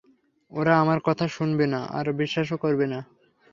ওরা আমার কথা শুনবে না আর বিশ্বাসও করবে না।